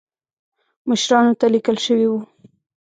مشرانو ته لیکل شوي وو.